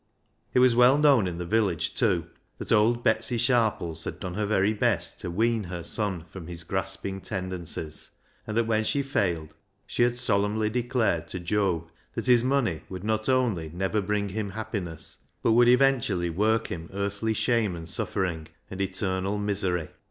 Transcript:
It was well known in the village, too, that old Betsy Sharpies had done her ver}^ best to wean her son from his grasping tendencies, and that when she failed she had solemnly declared to Job that his money would not only never bring him happiness, but would eventually work him earthly shame and suffering and eternal misery.